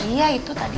iya itu tadi